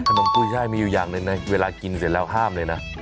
กุ้ยช่ายมีอยู่อย่างหนึ่งนะเวลากินเสร็จแล้วห้ามเลยนะ